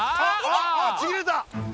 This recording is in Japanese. ちぎれた！